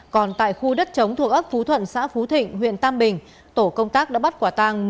còn tại khu đất chống thuộc ấp phú thuận xã phú thịnh huyện tam bình tổ công tác đã bắt quả tàng